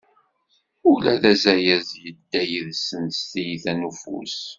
Ula d azayez yedda yid-sen s tyita n ufus.